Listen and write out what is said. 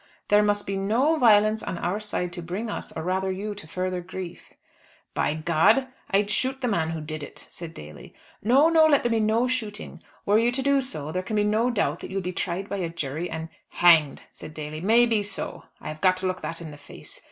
"There must be no violence on our side to bring us, or rather you, to further grief." "By God! I'd shoot the man who did it," said Daly. "No, no; let there be no shooting. Were you to do so, there can be no doubt that you would be tried by a jury and " "Hanged," said Daly. "May be so; I have got to look that in the face.